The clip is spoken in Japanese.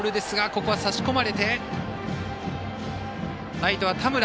ライトは田村。